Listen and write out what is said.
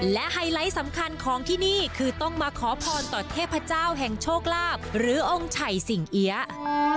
และไฮไลท์สำคัญของที่นี่คือต้องมาขอพรต่อเทพเจ้าแห่งโชคลาภหรือองค์ไฉสิงเอี๊ยะ